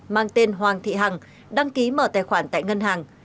mang tên hoàng thị hằng đăng ký mở tài khoản tại ngân hàng